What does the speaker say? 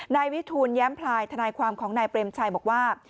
นายวิทูลแย้มพลายทนายความของนายเปรมชัยบอกว่า